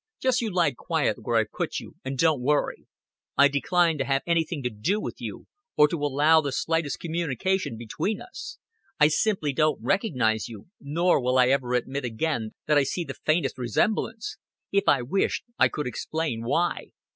Just you lie quiet where I put you, and don't worry. I decline to have anything to do with you, or to allow the slightest communication between us. I simply don't recognize you nor will I ever admit again that I see the faintest resemblance. If I wished, I could explain why.